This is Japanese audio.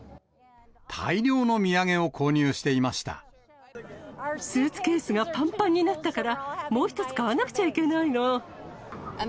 大量の土産を購入していましスーツケースがぱんぱんになったから、もう１つ買わなくちゃいけないの。